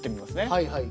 はいはい。